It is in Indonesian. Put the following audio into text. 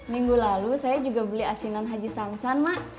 minggu lalu saya juga beli asinan haji sangsan mak